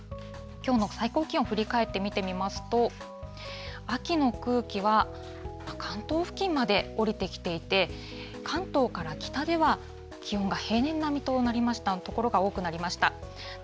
きょうの最高気温、振り返って見てみますと、秋の空気は関東付近まで降りてきていて、関東から北では、気温が平年並みとなりました所が多くなりました。